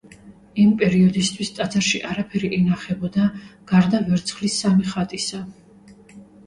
იმ პერიოდისთვის ტაძარში არაფერი ინახებოდა, გარდა ვერცხლის სამი ხატისა.